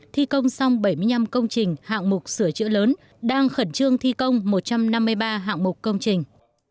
thi công xong bảy mươi năm công trình hạng mục sửa chữa lớn đang khẩn trương thi công một trăm năm mươi ba hạng mục công trình